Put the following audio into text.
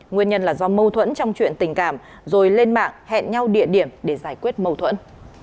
nguyên nhân là do mâu thuẫn trong chuyện tình cảm rồi lên mạng hẹn nhau địa điểm để giải quyết mâu thuẫn